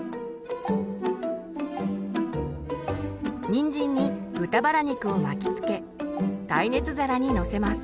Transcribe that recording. にんじんに豚バラ肉を巻きつけ耐熱皿にのせます。